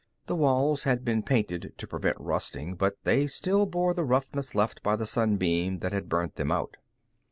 The walls had been painted to prevent rusting, but they still bore the roughness left by the sun beam that had burnt them out.